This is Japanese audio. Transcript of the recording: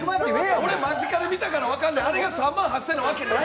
俺、間近で見たから分かるねん、あれが３万８０００円のわけない。